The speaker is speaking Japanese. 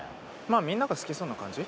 まあみんなが好きそうな感じ？